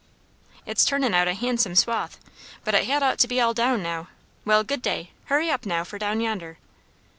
"It's turnin' out a handsome swath; but it had ought to be all down now. Well, good day! Hurry up, now, for down yonder."